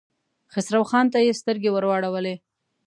خسرو خان ته يې سترګې ور واړولې.